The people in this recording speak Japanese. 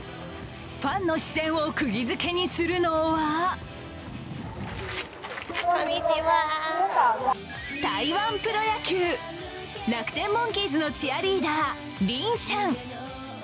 ファンの視線をくぎづけにするのは台湾プロ野球楽天モンキーズのチアリーダーリン・シャン。